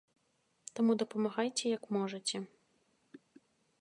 Таму дапамагайце як можаце.